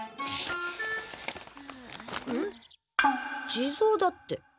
「地蔵」だって。